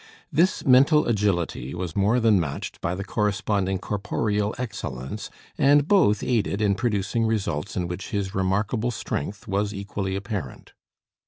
This mental agility was more than matched by the corresponding corporeal excellence, and both aided in producing results in which his remarkable strength was equally apparent.